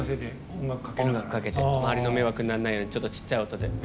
音楽かけて周りに迷惑にならないようにちっちゃい音で。